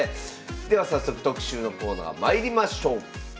では早速特集のコーナーまいりましょう。